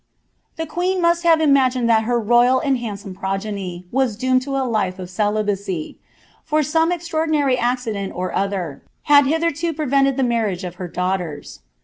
e queen must have imadned that her royal and handsome progeny ioomed to a life of celihacy ; for some extraordinary accident or , had hitherto prevented the marriage of her daughtera.